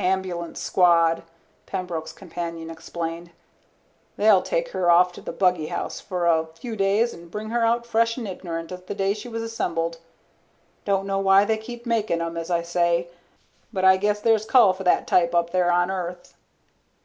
"Ambulance squad," Pembroke's companion explained. "They'll take her off to the buggy house for a few days and bring her out fresh and ignorant as the day she was assembled. Don't know why they keep making 'em, as I say. But I guess there's a call for that type up there on Earth."